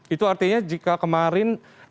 itu artinya jika kemarin